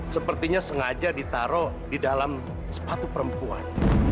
sepertinya sengaja ditaruh di dalam sepatu perempuan